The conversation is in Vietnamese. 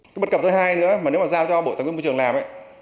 cái bật cập thứ hai nữa mà nếu mà giao cho bộ tài nguyên và môi trường làm